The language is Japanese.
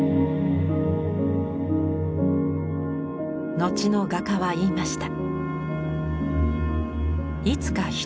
後の画家は言いました。